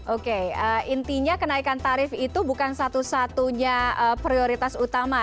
oke intinya kenaikan tarif itu bukan satu satunya prioritas utama